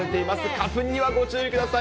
花粉にはご注意ください。